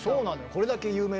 これだけ有名なね